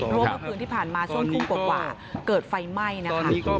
เพราะว่าเมื่อคืนที่ผ่านมาช่วงทุ่มกว่าเกิดไฟไหม้นะคะ